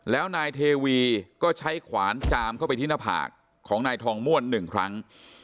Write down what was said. แล้วนายเทวีก็ใช้ขวานจามเข้าไปที่หน้าผากของนายทองม่วน๑ครั้ง